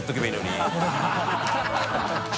ハハハ